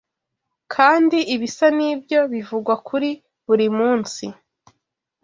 Kandi ibisa n’ibyo bivugwa kuri buri munsi